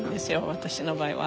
私の場合は。